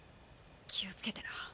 気をつけてな。